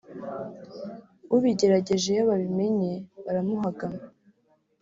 ubigerageje iyo babimenye baramuhagama